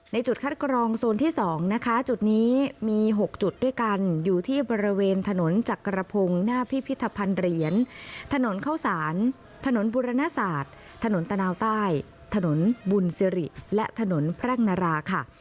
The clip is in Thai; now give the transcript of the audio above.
จุดคัดกรองโซนที่๒นะคะจุดนี้มี๖จุดด้วยกันอยู่ที่บริเวณถนนจักรพงศ์หน้าพิพิธภัณฑ์เหรียญถนนเข้าสารถนนบุรณศาสตร์ถนนตะนาวใต้ถนนบุญสิริและถนนแพร่งนาราค่ะ